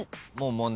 問題